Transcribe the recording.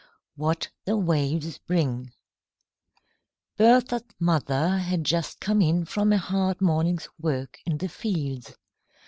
WHAT THE WAVES BRING BERTHA'S mother had just come in from a hard morning's work in the fields.